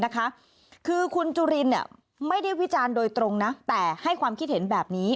คือคุณจุลินไม่ได้วิจารณ์โดยตรงนะแต่ให้ความคิดเห็นแบบนี้